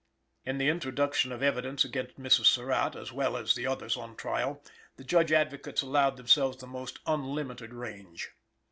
In the introduction of evidence against Mrs. Surratt, as well as the others on trial, the Judge Advocates allowed themselves the most unlimited range.